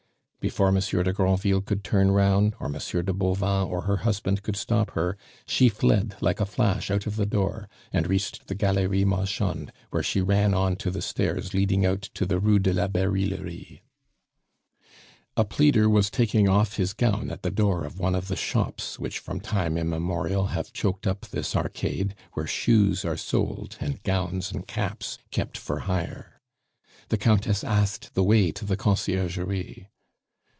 Before Monsieur de Granville could turn round, or Monsieur de Bauvan or her husband could stop her, she fled like a flash out of the door, and reached the Galerie Marchande, where she ran on to the stairs leading out to the Rue de la Barillerie. A pleader was taking off his gown at the door of one of the shops which from time immemorial have choked up this arcade, where shoes are sold, and gowns and caps kept for hire. The Countess asked the way to the Conciergerie.